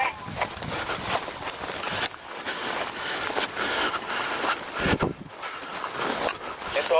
ขอถอมขอโทษนะครับผม